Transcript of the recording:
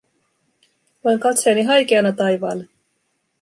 Loin katseeni haikeana taivaalle.